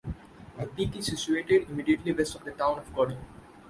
The peak is situated immediately west of the town of Cody.